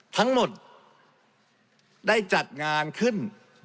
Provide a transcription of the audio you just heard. ทั้งหมดได้จัดงานขึ้น